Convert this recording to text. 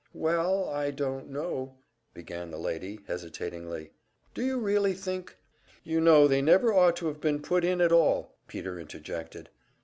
"Well, I don't know " began the lady, hesitatingly. "Do you really think " "You know they never ought to have been put in at all!" Peter interjected.